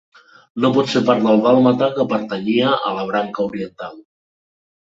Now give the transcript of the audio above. No pot ser part del dàlmata, que pertanyia a la branca oriental.